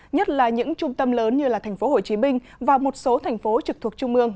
nhất là những trung tâm lớn như thành phố hồ chí minh và một số thành phố trực thuộc trung mương